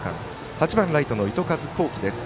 ８番ライトの糸数幸輝です。